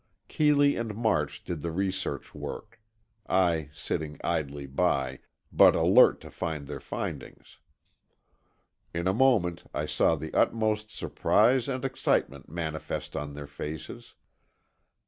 Keeley and March did the research work, I sitting idly by, but alert to learn their findings. In a moment, I saw the utmost surprise and excitement manifest on their faces.